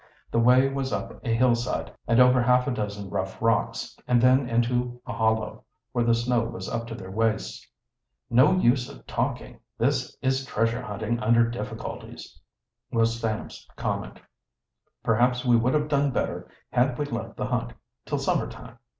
The way was up a hillside and over half a dozen rough rocks, and then into a hollow where the snow was up to their waists. "No use of talking, this is treasure hunting under difficulties," was Sam's comment. "Perhaps we would have done better had we left the hunt till summer time."